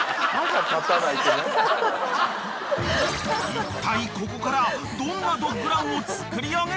［いったいここからどんなドッグランを作り上げるのか］